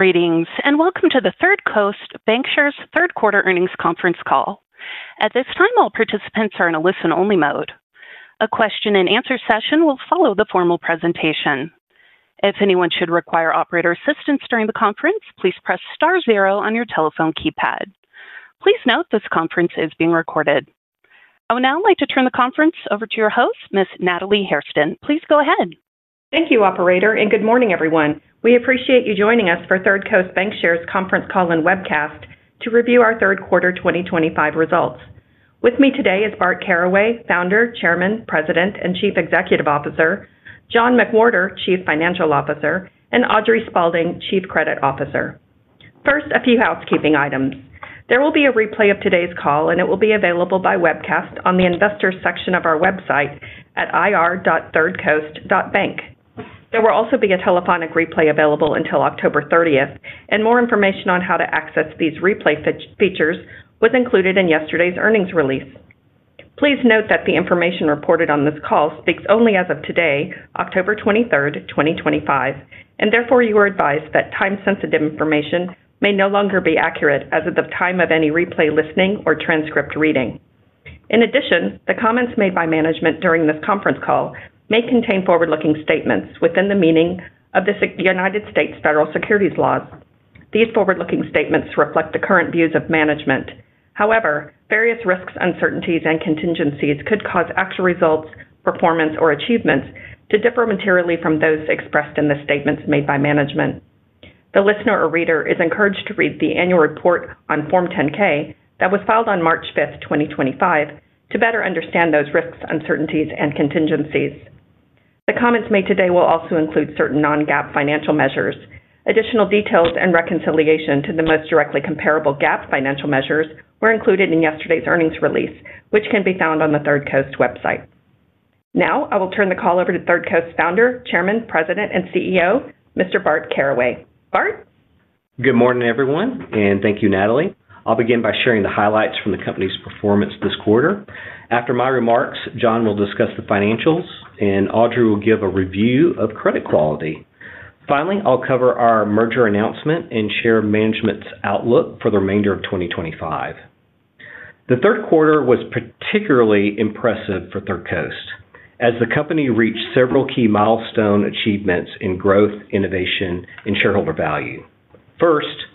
Greetings, and welcome to the Third Coast Bancshares Third Quarter Earnings Conference call. At this time, all participants are in a listen-only mode. A question-and-answer session will follow the formal presentation. If anyone should require operator assistance during the conference, please press star zero on your telephone keypad. Please note this conference is being recorded. I would now like to turn the conference over to your host, Ms. Natalie Hairston. Please go ahead. Thank you, Operator, and good morning, everyone. We appreciate you joining us for a Third Coast Bancshares conference call and webcast to review our Third Quarter 2025 results. With me today is Bart Caraway, Founder, Chairman, President and Chief Executive Officer, John McWhorter, Chief Financial Officer, and Audrey Spaulding, Chief Credit Officer. First, a few housekeeping items. There will be a replay of today's call, and it will be available by webcast on the Investors section of our website at ir.thirdcoast.bank. There will also be a telephonic replay available until October 30th, and more information on how to access these replay features was included in yesterday's earnings release. Please note that the information reported on this call speaks only as of today, October 23rd, 2025, and therefore you are advised that time-sensitive information may no longer be accurate as of the time of any replay listening or transcript reading. In addition, the comments made by management during this conference call may contain forward-looking statements within the meaning of the U.S. Federal Securities Laws. These forward-looking statements reflect the current views of management. However, various risks, uncertainties, and contingencies could cause actual results, performance, or achievements to differ materially from those expressed in the statements made by management. The listener or reader is encouraged to read the Annual Report on Form 10-K that was filed on March 5, 2025, to better understand those risks, uncertainties, and contingencies. The comments made today will also include certain non-GAAP financial measures. Additional details and reconciliation to the most directly comparable GAAP financial measures were included in yesterday's earnings release, which can be found on the Third Coast website. Now, I will turn the call over to Third Coast Founder, Chairman, President, and CEO, Mr. Bart Caraway. Bart? Good morning, everyone, and thank you, Natalie. I'll begin by sharing the highlights from the company's performance this quarter. After my remarks, John will discuss the financials, and Audrey will give a review of credit quality. Finally, I'll cover our merger announcement and share management's outlook for the remainder of 2025. The third quarter was particularly impressive for Third Coast, as the company reached several key milestone achievements in growth, innovation, and shareholder value. First,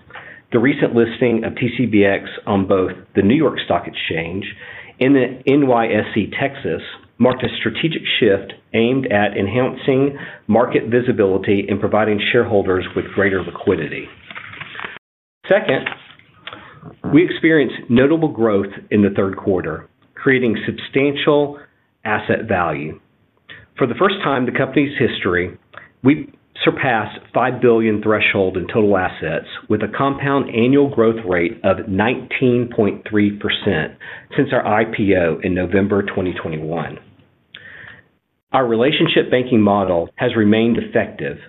the recent listing of TCBX on both the New York Stock Exchange and the NYSE Texas marked a strategic shift aimed at enhancing market visibility and providing shareholders with greater liquidity. Second, we experienced notable growth in the third quarter, creating substantial asset value. For the first time in the company's history, we surpassed the $5 billion threshold in total assets, with a compound annual growth rate of 19.3% since our IPO in November 2021. Our relationship banking model has remained effective,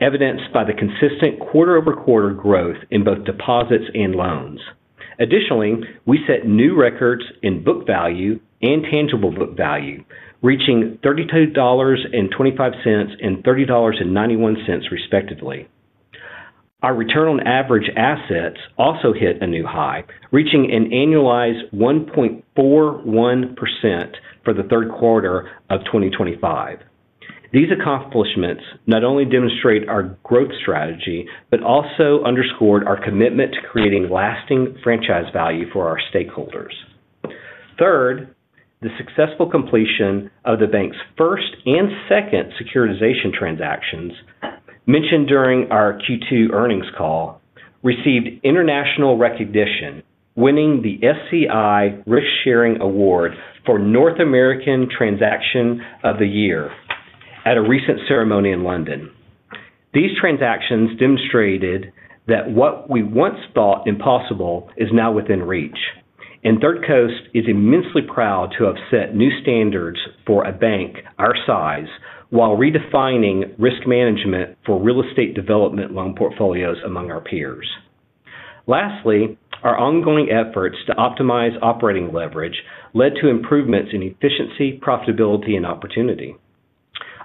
evidenced by the consistent quarter-over-quarter growth in both deposits and loans. Additionally, we set new records in book value and tangible book value, reaching $32.25 and $30.91, respectively. Our return on average assets also hit a new high, reaching an annualized 1.41% for the third quarter of 2025. These accomplishments not only demonstrate our growth strategy but also underscore our commitment to creating lasting franchise value for our stakeholders. Third, the successful completion of the bank's first and second securitization transactions, mentioned during our Q2 earnings call, received international recognition, winning the SCI Risk Sharing Award for North American Transaction of the Year at a recent ceremony in London. These transactions demonstrated that what we once thought impossible is now within reach, and Third Coast is immensely proud to have set new standards for a bank our size while redefining risk management for real estate development loan portfolios among our peers. Lastly, our ongoing efforts to optimize operating leverage led to improvements in efficiency, profitability, and opportunity.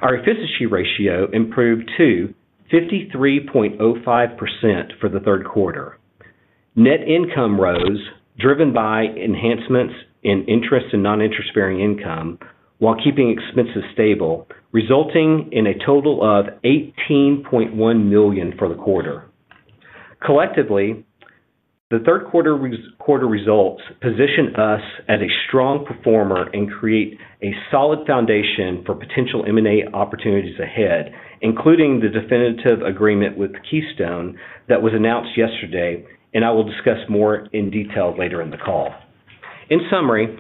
Our efficiency ratio improved to 53.05% for the third quarter. Net income rose, driven by enhancements in interest and non-interest-bearing income, while keeping expenses stable, resulting in a total of $18.1 million for the quarter. Collectively, the third quarter results position us as a strong performer and create a solid foundation for potential M&A opportunities ahead, including the definitive agreement with Keystone that was announced yesterday, and I will discuss more in detail later in the call. In summary,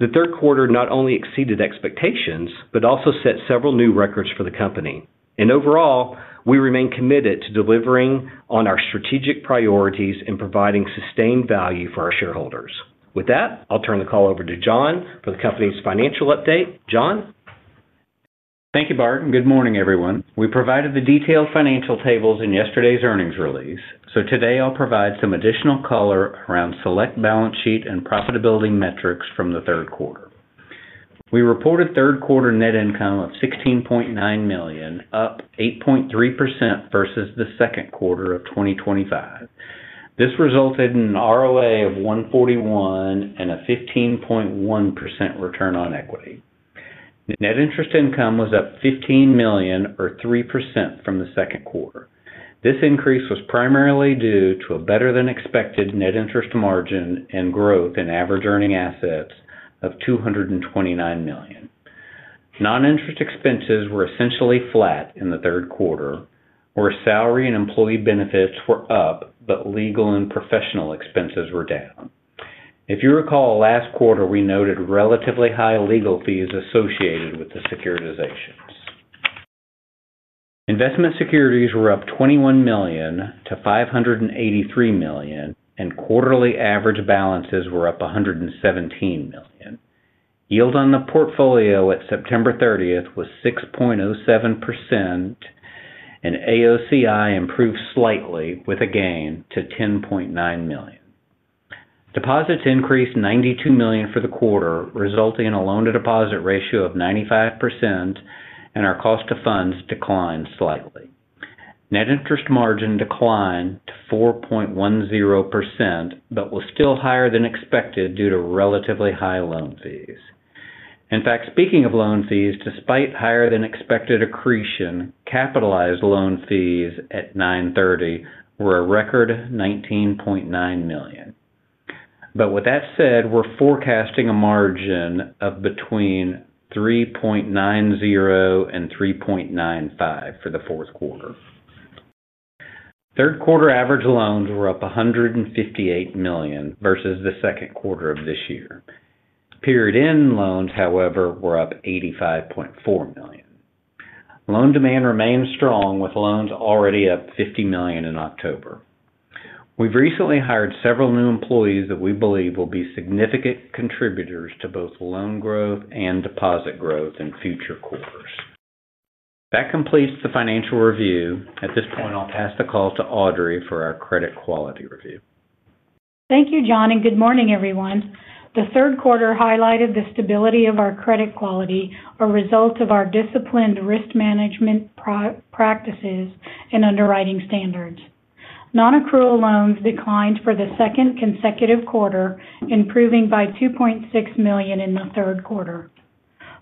the third quarter not only exceeded expectations but also set several new records for the company, and overall, we remain committed to delivering on our strategic priorities and providing sustained value for our shareholders. With that, I'll turn the call over to John for the company's financial update. John? Thank you, Bart, and good morning, everyone. We provided the detailed financial tables in yesterday's earnings release, so today I'll provide some additional color around select balance sheet and profitability metrics from the third quarter. We reported third quarter net income of $16.9 million, up 8.3% versus the second quarter of 2025. This resulted in an ROA of 1.41% and a 15.1% return on equity. The net interest income was up $1.5 million, or 3%, from the second quarter. This increase was primarily due to a better-than-expected net interest margin and growth in average earning assets of $229 million. Non-interest expenses were essentially flat in the third quarter, where salary and employee benefits were up, but legal and professional expenses were down. If you recall, last quarter we noted relatively high legal fees associated with the securitization transactions. Investment securities were up $21 million to $583 million, and quarterly average balances were up $117 million. Yield on the portfolio at September 30th was 6.07%, and AOCI improved slightly with a gain to $10.9 million. Deposits increased $92 million for the quarter, resulting in a loan-to-deposit ratio of 95%, and our cost of funds declined slightly. Net interest margin declined to 4.10%, but was still higher than expected due to relatively high loan fees. In fact, speaking of loan fees, despite higher-than-expected accretion, capitalized loan fees at 9/30 were a record $19.9 million. We're forecasting a margin of between 3.90% and 3.95% for the fourth quarter. Third quarter average loans were up $158 million versus the second quarter of this year. Period end loans, however, were up $85.4 million. Loan demand remains strong, with loans already up $50 million in October. We've recently hired several new employees that we believe will be significant contributors to both loan growth and deposit growth in future quarters. That completes the financial review. At this point, I'll pass the call to Audrey for our credit quality review. Thank you, John, and good morning, everyone. The third quarter highlighted the stability of our credit quality, a result of our disciplined risk management practices and underwriting standards. Non-accrual loans declined for the second consecutive quarter, improving by $2.6 million in the third quarter.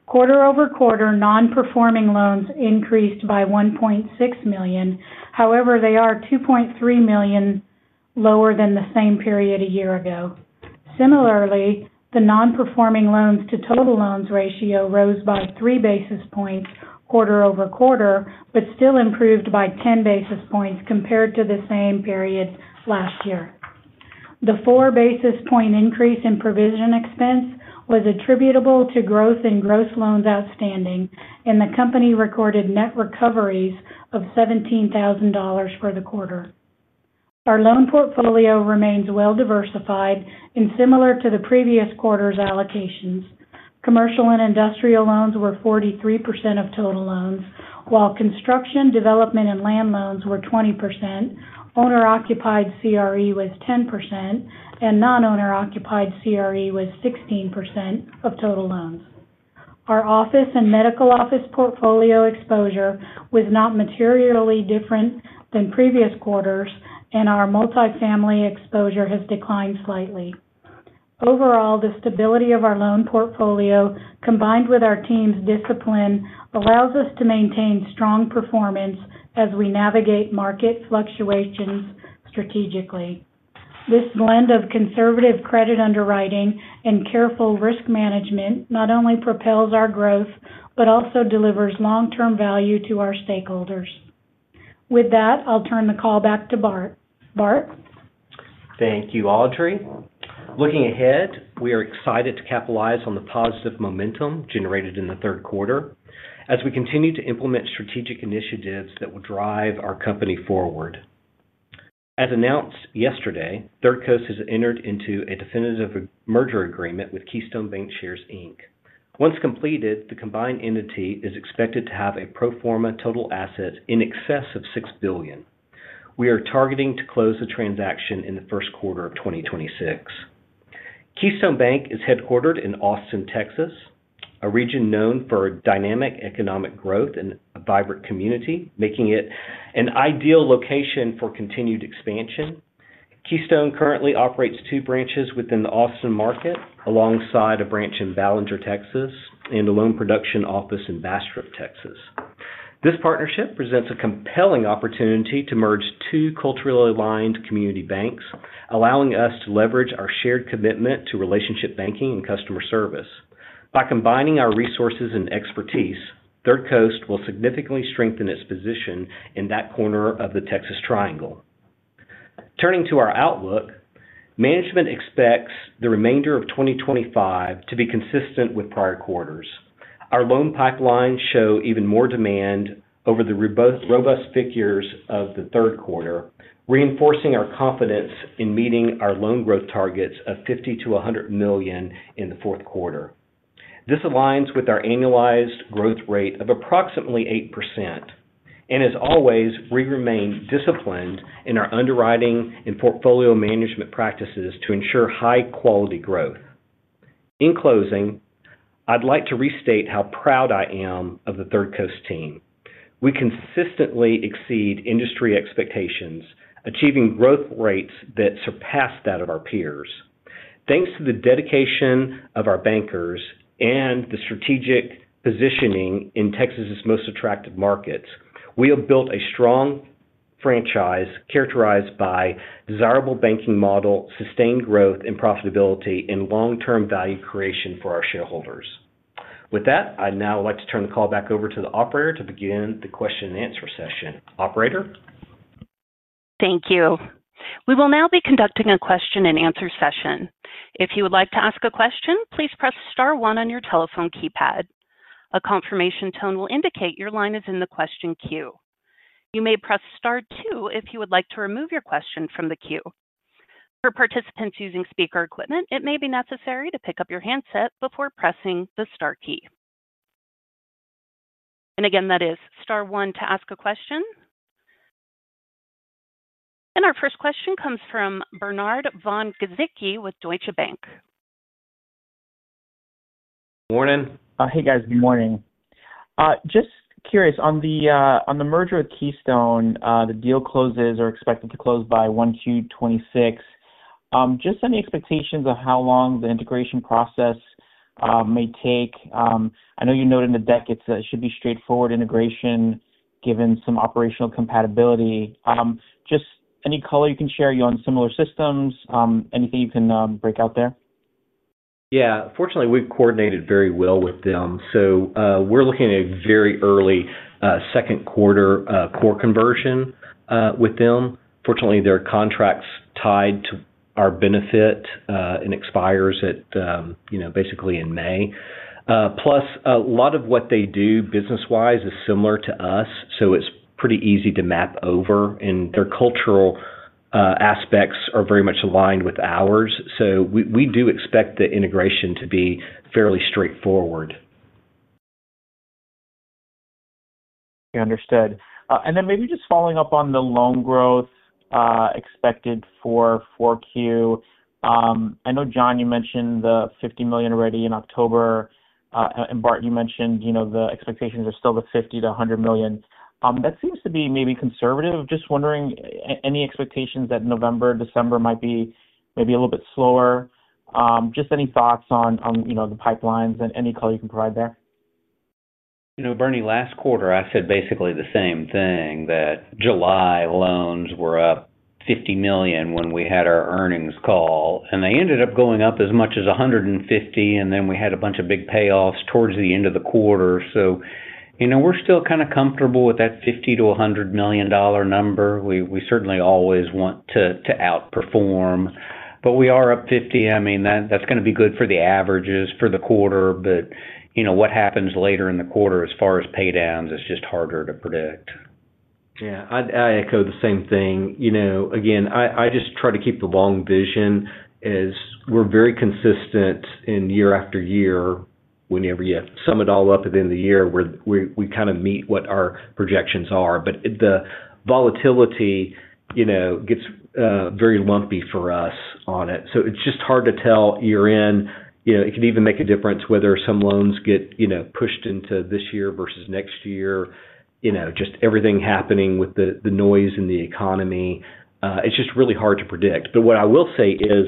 Quarter-over-quarter, non-performing loans increased by $1.6 million. However, they are $2.3 million lower than the same period a year ago. Similarly, the non-performing loans to total loans ratio rose by 3 basis points quarter-over-quarter, but still improved by 10 basis points compared to the same period last year. The 4 basis point increase in provision expense was attributable to growth in gross loans outstanding, and the company recorded net recoveries of $17,000 for the quarter. Our loan portfolio remains well-diversified and similar to the previous quarter's allocations. Commercial and industrial loans were 43% of total loans, while construction, development, and land loans were 20%. Owner-occupied CRE was 10%, and non-owner-occupied CRE was 16% of total loans. Our office and medical office portfolio exposure was not materially different than previous quarters, and our multifamily exposure has declined slightly. Overall, the stability of our loan portfolio, combined with our team's discipline, allows us to maintain strong performance as we navigate market fluctuations strategically. This blend of conservative credit underwriting and careful risk management not only propels our growth but also delivers long-term value to our stakeholders. With that, I'll turn the call back to Bart. Bart? Thank you, Audrey. Looking ahead, we are excited to capitalize on the positive momentum generated in the third quarter as we continue to implement strategic initiatives that will drive our company forward. As announced yesterday, Third Coast has entered into a definitive merger agreement with Keystone Bancshares Inc. Once completed, the combined entity is expected to have a pro forma total asset in excess of $6 billion. We are targeting to close the transaction in the first quarter of 2026. Keystone Bank is headquartered in Austin, Texas, a region known for dynamic economic growth and a vibrant community, making it an ideal location for continued expansion. Keystone currently operates two branches within the Austin market, alongside a branch in Ballinger, Texas, and a loan production office in Bastrop, Texas. This partnership presents a compelling opportunity to merge two culturally aligned community banks, allowing us to leverage our shared commitment to relationship banking and customer service. By combining our resources and expertise, Third Coast will significantly strengthen its position in that corner of the Texas Triangle. Turning to our outlook, management expects the remainder of 2025 to be consistent with prior quarters. Our loan pipelines show even more demand over the robust figures of the third quarter, reinforcing our confidence in meeting our loan growth targets of $50 million-$100 million in the fourth quarter. This aligns with our annualized growth rate of approximately 8%, and as always, we remain disciplined in our underwriting and portfolio management practices to ensure high-quality growth. In closing, I'd like to restate how proud I am of the Third Coast team. We consistently exceed industry expectations, achieving growth rates that surpass that of our peers. Thanks to the dedication of our bankers and the strategic positioning in Texas's most attractive markets, we have built a strong franchise characterized by a desirable banking model, sustained growth and profitability, and long-term value creation for our shareholders. With that, I'd now like to turn the call back over to the Operator to begin the question-and-answer session. Operator? Thank you. We will now be conducting a question-and-answer session. If you would like to ask a question, please press star one on your telephone keypad. A confirmation tone will indicate your line is in the question queue. You may press star two if you would like to remove your question from the queue. For participants using speaker equipment, it may be necessary to pick up your handset before pressing the star key. That is star one to ask a question. Our first question comes from Bernard Von Gizycki with Deutsche Bank. Morning. Hey, guys. Good morning. Just curious, on the merger with Keystone, the deal closes or is expected to close by 1Q 2026. Just any expectations of how long the integration process may take? I know you noted in the deck it should be straightforward integration given some operational compatibility. Just any color you can share? Are you on similar systems? Anything you can break out there? Yeah. Fortunately, we've coordinated very well with them. We're looking at a very early second quarter core conversion with them. Fortunately, their contract's tied to our benefit and expires at, you know, basically in May. Plus, a lot of what they do business-wise is similar to us, so it's pretty easy to map over, and their cultural aspects are very much aligned with ours. We do expect the integration to be fairly straightforward. Understood. Maybe just following up on the loan growth expected for 4Q. I know, John, you mentioned the $50 million already in October, and Bart, you mentioned the expectations are still the $50 million-$100 million. That seems to be maybe conservative. Just wondering, any expectations that November, December might be maybe a little bit slower? Any thoughts on the pipelines and any color you can provide there? You know, Bernie, last quarter, I said basically the same thing, that July loans were up $50 million when we had our earnings call, and they ended up going up as much as $150 million, and then we had a bunch of big payoffs towards the end of the quarter. We are still kind of comfortable with that $50 million-$100 million number. We certainly always want to outperform, but we are up $50 million. That is going to be good for the averages for the quarter, but what happens later in the quarter as far as paydowns is just harder to predict. Yeah. I echo the same thing. I just try to keep the long vision as we're very consistent year after year. Whenever you sum it all up at the end of the year, we kind of meet what our projections are, but the volatility gets very lumpy for us on it. It's just hard to tell year-end. It could even make a difference whether some loans get pushed into this year versus next year. Just everything happening with the noise in the economy, it's really hard to predict. What I will say is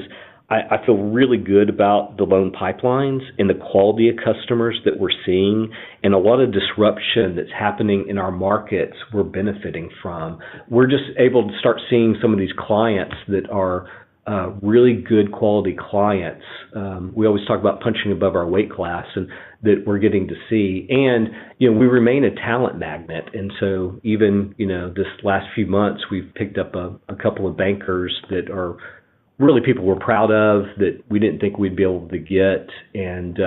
I feel really good about the loan pipelines and the quality of customers that we're seeing and a lot of disruption that's happening in our markets we're benefiting from. We're just able to start seeing some of these clients that are really good quality clients. We always talk about punching above our weight class and that we're getting to see, and we remain a talent magnet. Even this last few months, we've picked up a couple of bankers that are really people we're proud of that we didn't think we'd be able to get, and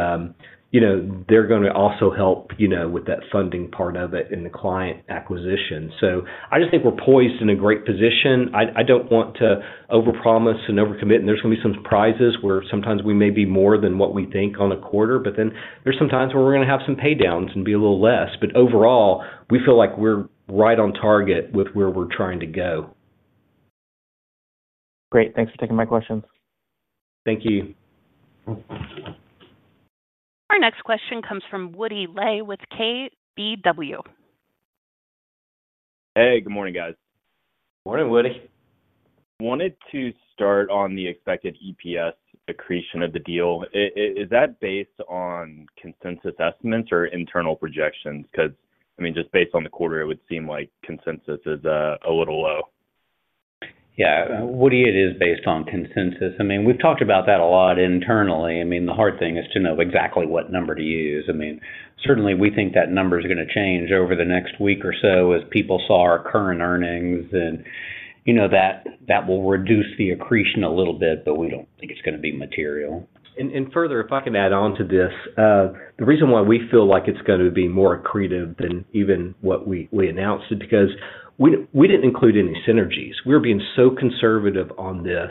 they're going to also help with that funding part of it and the client acquisition. I just think we're poised in a great position. I don't want to overpromise and overcommit, and there's going to be some surprises where sometimes we may be more than what we think on a quarter, but then there's some times where we're going to have some paydowns and be a little less. Overall, we feel like we're right on target with where we're trying to go. Great. Thanks for taking my questions. Thank you. Our next question comes from Woody Lay with KBW. Hey, good morning, guys. Morning, Woody. Wanted to start on the expected EPS accretion of the deal. Is that based on consensus estimates or internal projections? Because, I mean, just based on the quarter, it would seem like consensus is a little low. Yeah. Woody, it is based on consensus. We've talked about that a lot internally. The hard thing is to know exactly what number to use. Certainly, we think that number is going to change over the next week or so as people saw our current earnings, and you know, that will reduce the accretion a little bit, but we don't think it's going to be material. Further, if I can add on to this, the reason why we feel like it's going to be more accretive than even what we announced is because we didn't include any synergies. We're being so conservative on this.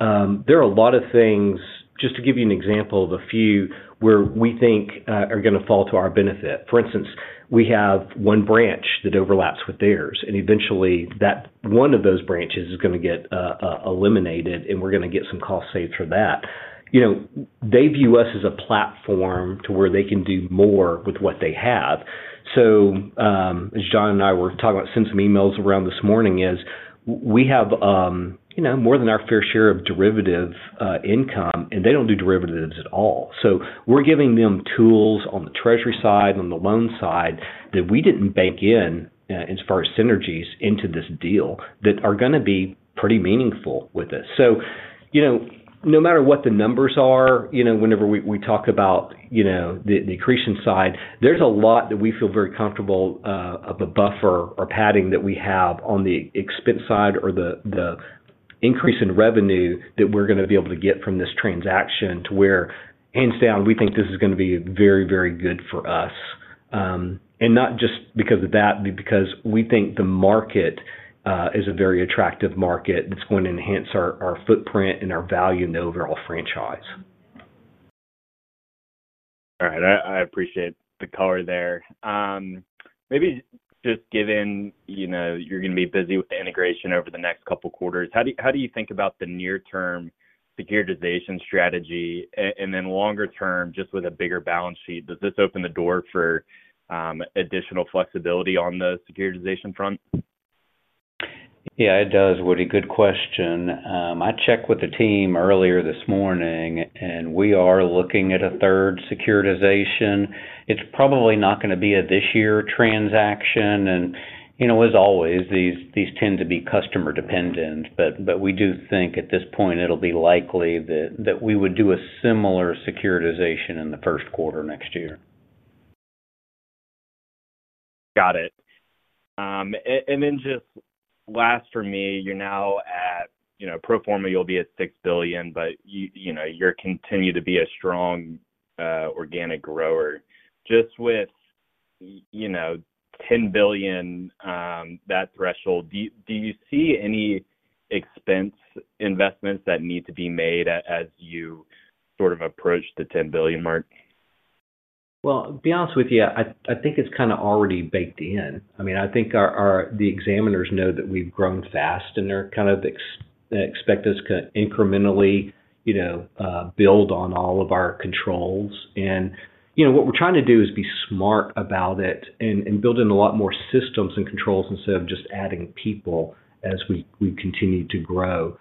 There are a lot of things, just to give you an example of a few, where we think are going to fall to our benefit. For instance, we have one branch that overlaps with theirs, and eventually, one of those branches is going to get eliminated, and we're going to get some costs saved for that. They view us as a platform to where they can do more with what they have. As John and I were talking about, sending some emails around this morning, we have more than our fair share of derivative income, and they don't do derivatives at all. We're giving them tools on the treasury side and on the loan side that we didn't bank in as far as synergies into this deal that are going to be pretty meaningful with this. No matter what the numbers are, whenever we talk about the accretion side, there's a lot that we feel very comfortable of a buffer or padding that we have on the expense side or the increase in revenue that we're going to be able to get from this transaction to where, hands down, we think this is going to be very, very good for us. Not just because of that, but because we think the market is a very attractive market that's going to enhance our footprint and our value in the overall franchise. All right. I appreciate the color there. Maybe just given, you know, you're going to be busy with integration over the next couple of quarters, how do you think about the near-term securitization strategy? Then longer term, just with a bigger balance sheet, does this open the door for additional flexibility on the securitization front? Yeah, it does, Woody. Good question. I checked with the team earlier this morning, and we are looking at a third securitization. It's probably not going to be a this-year transaction. As always, these tend to be customer-dependent, but we do think at this point it'll be likely that we would do a similar securitization in the first quarter next year. Got it. Just last for me, you're now at, you know, pro forma, you'll be at $6 billion, but you know, you'll continue to be a strong organic grower. Just with, you know, $10 billion, that threshold, do you see any expense investments that need to be made as you sort of approach the $10 billion mark? To be honest with you, I think it's kind of already baked in. I think the examiners know that we've grown fast, and they're kind of expecting us to incrementally build on all of our controls. What we're trying to do is be smart about it and build in a lot more systems and controls instead of just adding people as we continue to grow.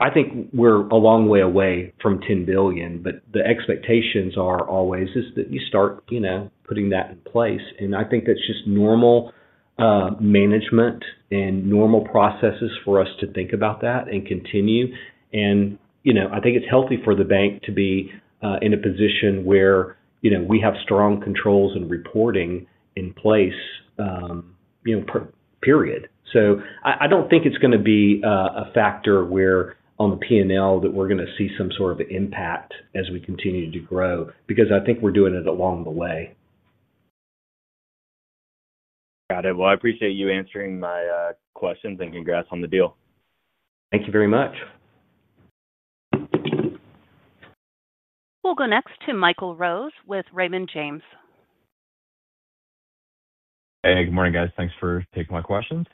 I think we're a long way away from $10 billion, but the expectations are always that you start putting that in place. I think that's just normal management and normal processes for us to think about that and continue. I think it's healthy for the bank to be in a position where we have strong controls and reporting in place, period. I don't think it's going to be a factor where on the P&L that we're going to see some sort of impact as we continue to grow because I think we're doing it along the way. Got it. I appreciate you answering my questions, and congrats on the deal. Thank you very much. We'll go next to Michael Rose with Raymond James. Hey, good morning, guys. Thanks for taking my questions.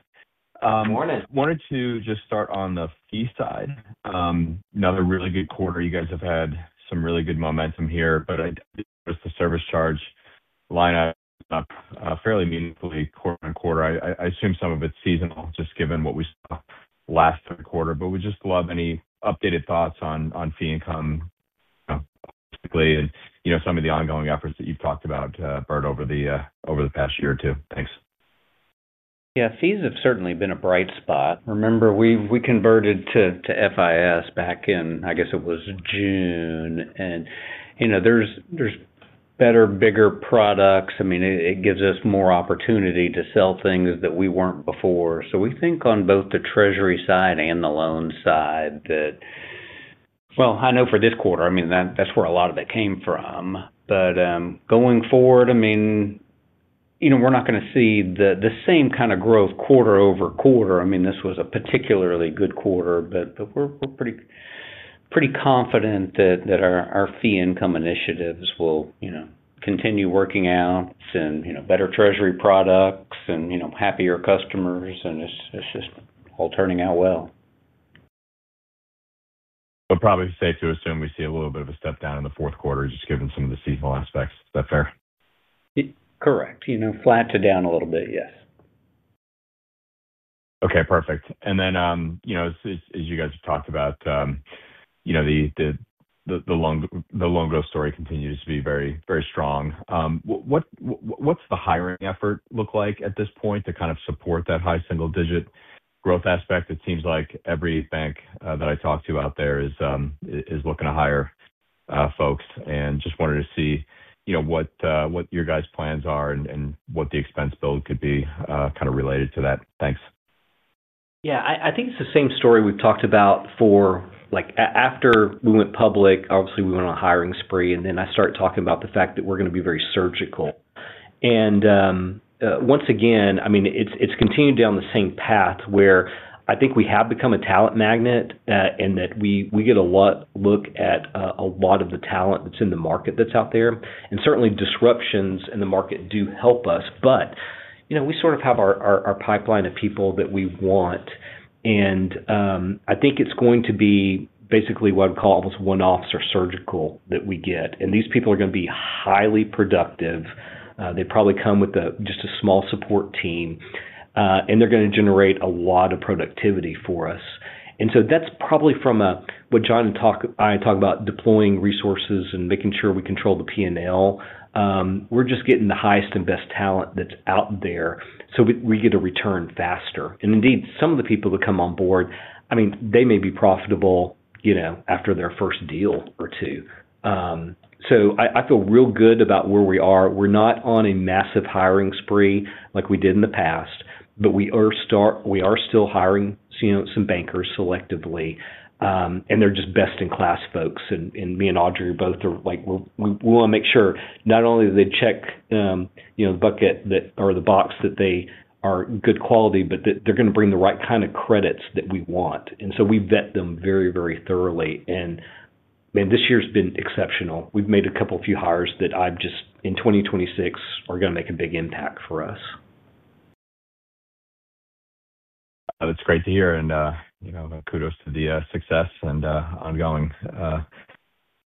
Morning. Wanted to just start on the fee side. Another really good quarter. You guys have had some really good momentum here, but I did notice the service charge lineup is up fairly meaningfully quarter-on-quarter. I assume some of it's seasonal, just given what we saw last third quarter. We'd just love any updated thoughts on fee income, specifically, and some of the ongoing efforts that you've talked about, Bart, over the past year or two. Thanks. Yeah. Fees have certainly been a bright spot. Remember, we converted to FIS back in, I guess it was June. There are better, bigger products. It gives us more opportunity to sell things that we weren't before. We think on both the treasury management side and the loan side that, for this quarter, that's where a lot of that came from. Going forward, we're not going to see the same kind of growth quarter over quarter. This was a particularly good quarter, but we're pretty confident that our fee income initiatives will continue working out, and better treasury management products and happier customers, and it's just all turning out well. I'd probably be safe to assume we see a little bit of a step down in the fourth quarter, just given some of the seasonal aspects. Is that fair? Correct. You know, flat to down a little bit, yes. Okay. Perfect. As you guys have talked about, the loan growth story continues to be very, very strong. What's the hiring effort look like at this point to kind of support that high single-digit growth aspect? It seems like every bank that I talk to out there is looking to hire folks and just wanted to see what your guys' plans are and what the expense build could be kind of related to that. Thanks. Yeah. I think it's the same story we've talked about for, like, after we went public. Obviously, we went on a hiring spree, and then I started talking about the fact that we're going to be very surgical. Once again, it's continued down the same path where I think we have become a talent magnet and that we get a look at a lot of the talent that's in the market that's out there. Certainly, disruptions in the market do help us, but you know, we sort of have our pipeline of people that we want. I think it's going to be basically what I'd call almost one-offs or surgical that we get. These people are going to be highly productive. They probably come with just a small support team, and they're going to generate a lot of productivity for us. That's probably from what John and I talk about deploying resources and making sure we control the P&L. We're just getting the highest and best talent that's out there, so we get a return faster. Indeed, some of the people that come on board, they may be profitable, you know, after their first deal or two. I feel real good about where we are. We're not on a massive hiring spree like we did in the past, but we are still hiring, you know, some bankers selectively, and they're just best-in-class folks. Me and Audrey both are like, we want to make sure not only do they check, you know, the bucket or the box that they are good quality, but that they're going to bring the right kind of credits that we want. We vet them very, very thoroughly. Man, this year's been exceptional. We've made a couple of few hires that I've just, in 2026, are going to make a big impact for us. That's great to hear. Kudos to the success and ongoing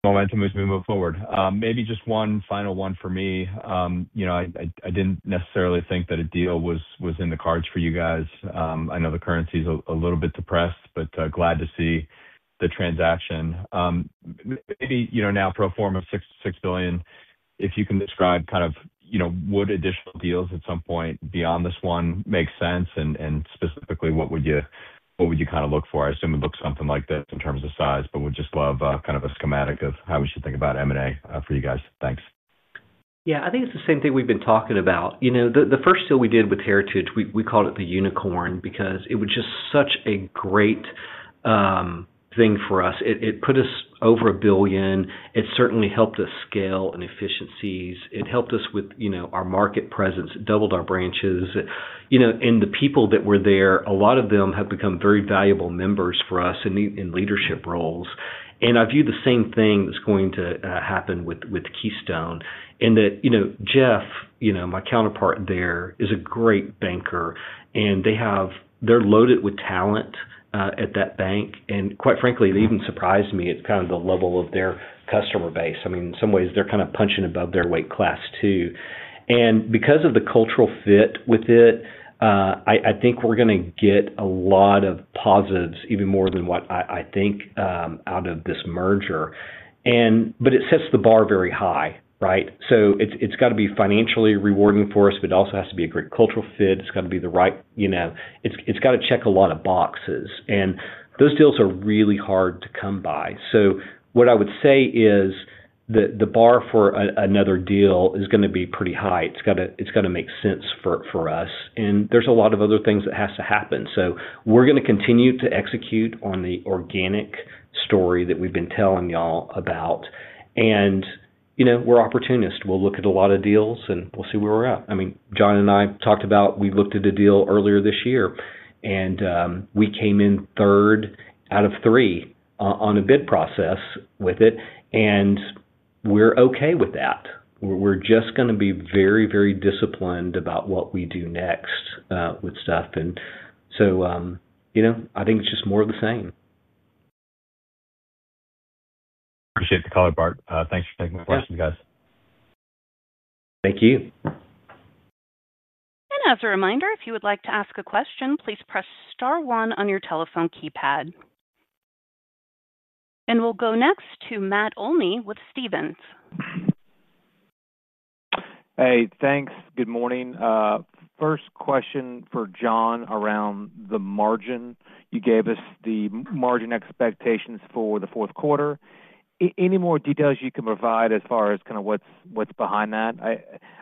momentum as we move forward. Maybe just one final one for me. I didn't necessarily think that a deal was in the cards for you guys. I know the currency is a little bit depressed, but glad to see the transaction. Maybe now pro forma $6 billion, if you can describe kind of, would additional deals at some point beyond this one make sense? Specifically, what would you kind of look for? I assume it looks something like this in terms of size, but we'd just love kind of a schematic of how we should think about M&A for you guys. Thanks. Yeah. I think it's the same thing we've been talking about. You know, the first deal we did with Heritage, we called it the unicorn because it was just such a great thing for us. It put us over $1 billion. It certainly helped us scale and efficiencies. It helped us with our market presence. It doubled our branches. The people that were there, a lot of them have become very valuable members for us in leadership roles. I view the same thing that's going to happen with Keystone in that, you know, Jeff, my counterpart there, is a great banker, and they have, they're loaded with talent at that bank. Quite frankly, it even surprised me at kind of the level of their customer base. In some ways, they're kind of punching above their weight class too. Because of the cultural fit with it, I think we're going to get a lot of positives, even more than what I think, out of this merger. It sets the bar very high, right? It's got to be financially rewarding for us, but it also has to be a great cultural fit. It's got to be the right, you know, it's got to check a lot of boxes. Those deals are really hard to come by. What I would say is that the bar for another deal is going to be pretty high. It's got to make sense for us. There are a lot of other things that have to happen. We're going to continue to execute on the organic story that we've been telling y'all about. We're opportunists. We'll look at a lot of deals, and we'll see where we're at. John and I talked about we looked at a deal earlier this year, and we came in third out of three on a bid process with it, and we're okay with that. We're just going to be very, very disciplined about what we do next with stuff. I think it's just more of the same. Appreciate the color, Bart. Thanks for taking the questions, guys. Thank you. As a reminder, if you would like to ask a question, please press star one on your telephone keypad. We'll go next to Matt Olney with Stephens. Hey, thanks. Good morning. First question for John around the margin. You gave us the margin expectations for the fourth quarter. Any more details you can provide as far as kind of what's behind that?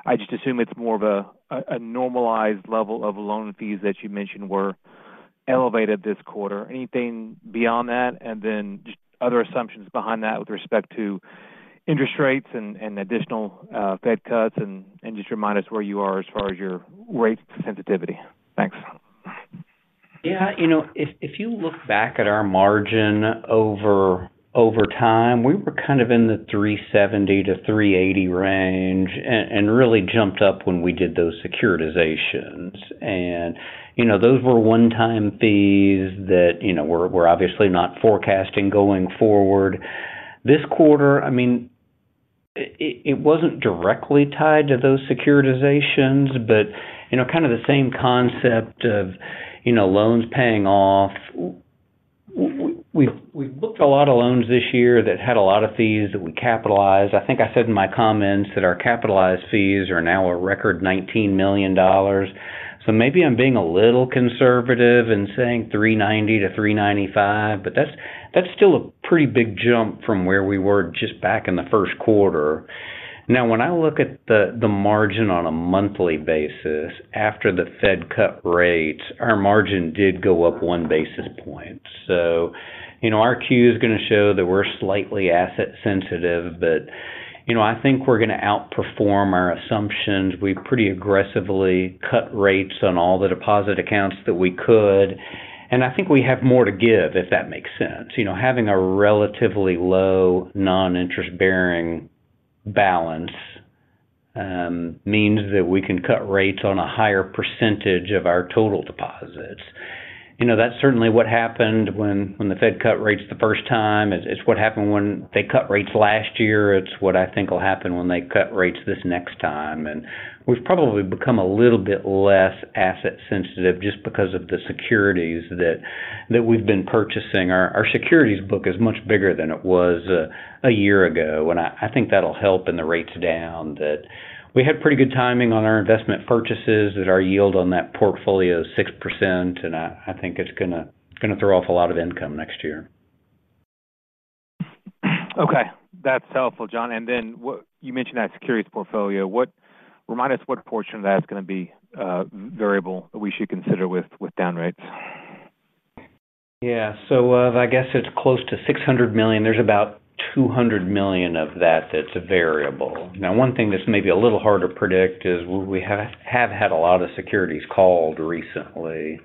I just assume it's more of a normalized level of loan fees that you mentioned were elevated this quarter. Anything beyond that? Just other assumptions behind that with respect to interest rates and additional Fed cuts, and just remind us where you are as far as your rate sensitivity. Thanks. Yeah. You know, if you look back at our margin over time, we were kind of in the $370-$380 range and really jumped up when we did those securitizations. Those were one-time fees that we're obviously not forecasting going forward. This quarter, I mean, it wasn't directly tied to those securitizations, but kind of the same concept of loans paying off. We looked at a lot of loans this year that had a lot of fees that we capitalized. I think I said in my comments that our capitalized fees are now a record $19 million. Maybe I'm being a little conservative and saying $390-$395, but that's still a pretty big jump from where we were just back in the first quarter. Now, when I look at the margin on a monthly basis, after the Fed cut rates, our margin did go up one basis point. Our queue is going to show that we're slightly asset-sensitive, but I think we're going to outperform our assumptions. We pretty aggressively cut rates on all the deposit accounts that we could. I think we have more to give, if that makes sense. Having a relatively low non-interest-bearing balance means that we can cut rates on a higher percentage of our total deposits. That's certainly what happened when the Fed cut rates the first time. It's what happened when they cut rates last year. It's what I think will happen when they cut rates this next time. We've probably become a little bit less asset-sensitive just because of the securities that we've been purchasing. Our securities book is much bigger than it was a year ago, and I think that'll help in the rates down that we had pretty good timing on our investment purchases that our yield on that portfolio is 6%, and I think it's going to throw off a lot of income next year. Okay. That's helpful, John. You mentioned that securities portfolio. Remind us what portion of that is going to be variable that we should consider with down rates. Yeah, I guess it's close to $600 million. There's about $200 million of that that's variable. One thing that's maybe a little hard to predict is we have had a lot of securities called recently,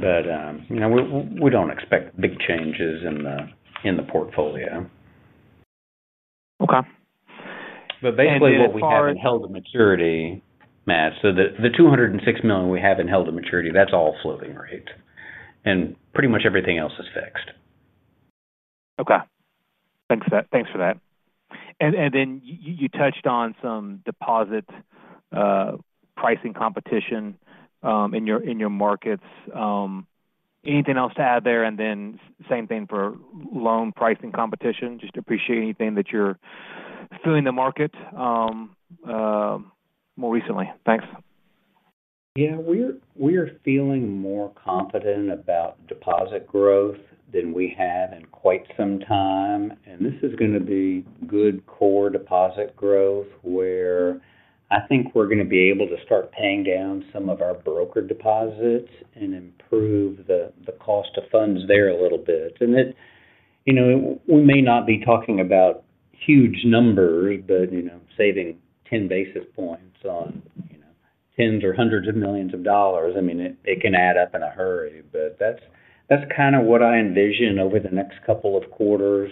but we don't expect big changes in the portfolio. Okay. What we have in held to maturity, Matt, so that the $206 million we have in held to maturity, that's all floating rate, and pretty much everything else is fixed. Okay. Thanks for that. You touched on some deposit pricing competition in your markets. Anything else to add there? Same thing for loan pricing competition. Just appreciate anything that you're feeling in the market more recently. Thanks. Yeah. We are feeling more confident about deposit growth than we have in quite some time. This is going to be good core deposit growth where I think we're going to be able to start paying down some of our broker deposits and improve the cost of funds there a little bit. We may not be talking about huge numbers, but saving 10 basis points on tens or hundreds of millions of dollars can add up in a hurry. That's kind of what I envision over the next couple of quarters.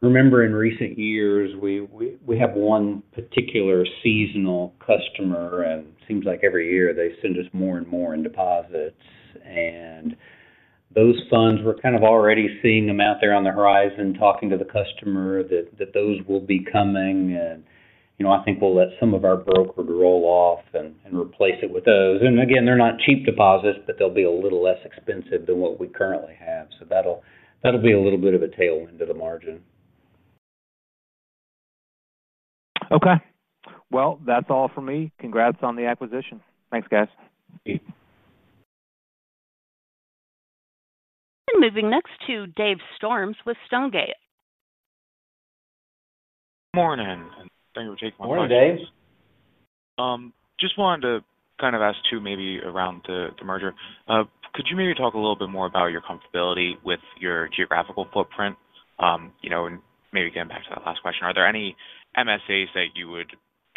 Remember, in recent years, we have one particular seasonal customer, and it seems like every year they send us more and more in deposits. Those funds, we're kind of already seeing them out there on the horizon, talking to the customer that those will be coming. I think we'll let some of our broker deposits roll off and replace it with those. They're not cheap deposits, but they'll be a little less expensive than what we currently have. That'll be a little bit of a tailwind to the margin. That's all for me. Congrats on the acquisition. Thanks, guys. Thank you. Moving next to Dave Storms with Stonegate. Good morning. Thank you for taking my call. Morning, Dave. Just wanted to kind of ask too, maybe around the merger. Could you maybe talk a little bit more about your comfortability with your geographical footprint? You know, maybe getting back to that last question, are there any MSAs that you would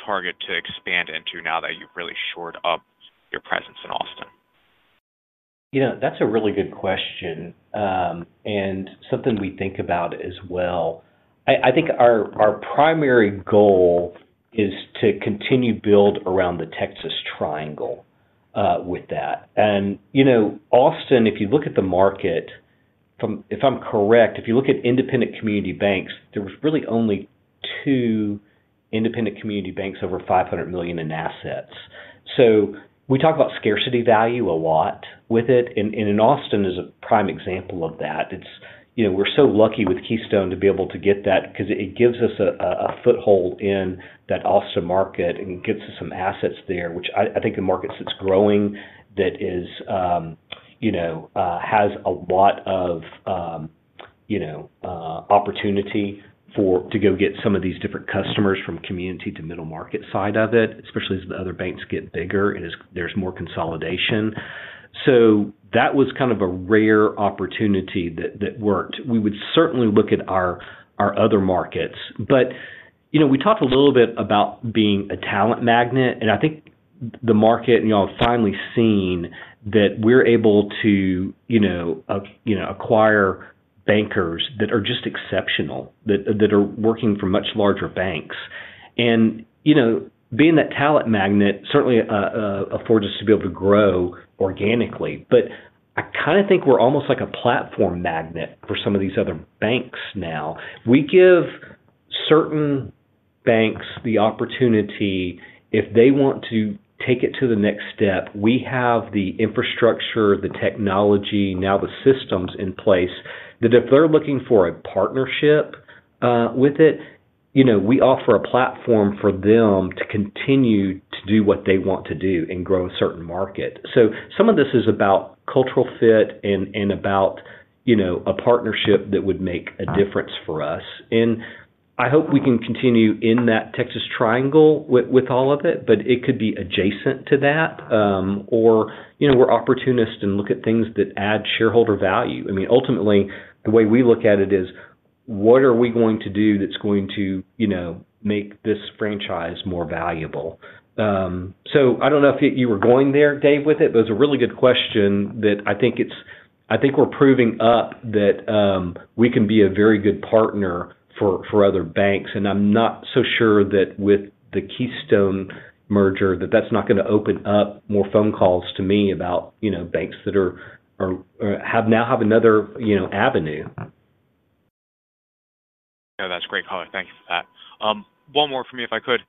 target to expand into now that you've really shored up your presence in Austin? That's a really good question and something we think about as well. I think our primary goal is to continue to build around the Texas Triangle with that. Austin, if you look at the market, if I'm correct, if you look at independent community banks, there were really only two independent community banks over $500 million in assets. We talk about scarcity value a lot with it, and Austin is a prime example of that. We're so lucky with Keystone to be able to get that because it gives us a foothold in that Austin market and gets us some assets there, which I think the market that's growing has a lot of opportunity to go get some of these different customers from the community to the middle market side of it, especially as the other banks get bigger and there's more consolidation. That was kind of a rare opportunity that worked. We would certainly look at our other markets. We talked a little bit about being a talent magnet, and I think the market, I've finally seen that we're able to acquire bankers that are just exceptional, that are working for much larger banks. Being that talent magnet certainly affords us to be able to grow organically. I kind of think we're almost like a platform magnet for some of these other banks now. We give certain banks the opportunity if they want to take it to the next step. We have the infrastructure, the technology, now the systems in place that if they're looking for a partnership with it, we offer a platform for them to continue to do what they want to do and grow a certain market. Some of this is about cultural fit and about a partnership that would make a difference for us. I hope we can continue in that Texas Triangle with all of it, but it could be adjacent to that, or we're opportunist and look at things that add shareholder value. Ultimately, the way we look at it is what are we going to do that's going to make this franchise more valuable? I don't know if you were going there, Dave, with it, but it was a really good question that I think we're proving up that we can be a very good partner for other banks. I'm not so sure that with the Keystone merger that's not going to open up more phone calls to me about banks that have now another avenue. No, that's great color. Thanks for that. One more for me, if I could.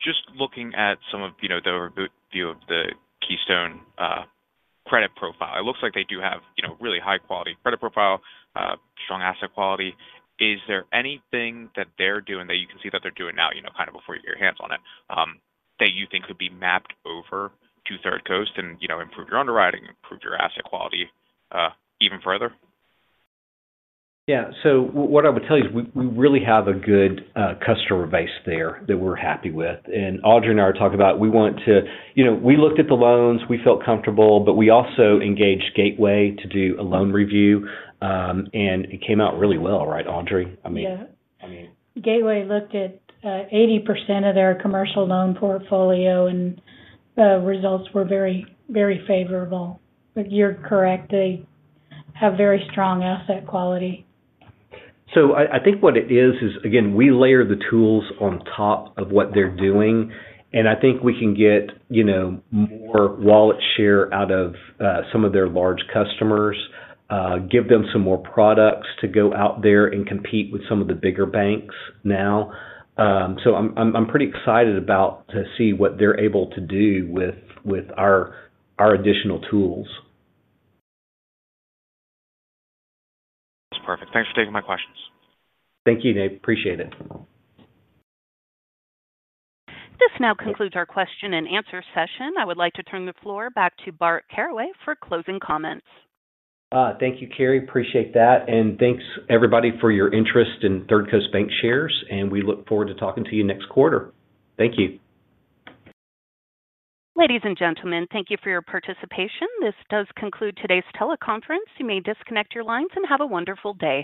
Just looking at some of the overview of the Keystone credit profile, it looks like they do have a really high-quality credit profile, strong asset quality. Is there anything that they're doing that you can see that they're doing now, kind of before you get your hands on it, that you think could be mapped over to Third Coast and improve your underwriting, improve your asset quality even further? Yeah. What I would tell you is we really have a good customer base there that we're happy with. Audrey and I were talking about we want to, you know, we looked at the loans. We felt comfortable, but we also engaged Gateway to do a loan review, and it came out really well, right, Audrey? I mean. Yeah. I mean, Gateway looked at 80% of their commercial loan portfolio, and the results were very, very favorable. You're correct, they have very strong asset quality. I think what it is is, again, we layer the tools on top of what they're doing. I think we can get more wallet share out of some of their large customers, give them some more products to go out there and compete with some of the bigger banks now. I'm pretty excited to see what they're able to do with our additional tools. That's perfect. Thanks for taking my questions. Thank you, Dave. Appreciate it. This now concludes our question-and-answer session. I would like to turn the floor back to Bart Caraway for closing comments. Thank you, Carrie. Appreciate that. Thank you, everybody, for your interest in Third Coast Bancshares. We look forward to talking to you next quarter. Thank you. Ladies and gentlemen, thank you for your participation. This does conclude today's teleconference. You may disconnect your lines and have a wonderful day.